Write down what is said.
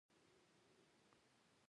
له پروني اعلان وروسته داسی ویل کیږي